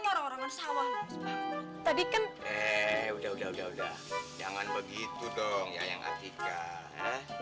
mau rorokan sawah tadi kan udah udah udah udah jangan begitu dong ya yang hati kak